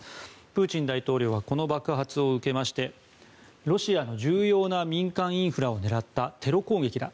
プーチン大統領はこの爆発を受けてロシアの重要な民間インフラを狙ったテロ攻撃だ。